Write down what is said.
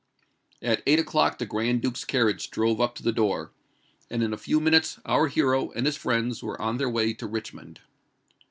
At eight o'clock the Grand Duke's carriage drove up to the door; and in a few minutes our hero and his friends were on their way to Richmond.